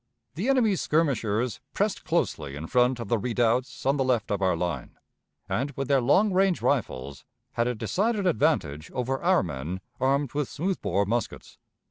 The enemy's skirmishers pressed closely in front of the redoubts on the left of our line, and with their long range rifles had a decided advantage over our men, armed with smooth bore muskets.